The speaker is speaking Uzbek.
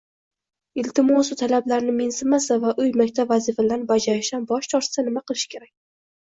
iltimosu talablarni mensimasa va uy-maktab vazifalarini bajarishdan bosh tortsa, nima qilish kerak?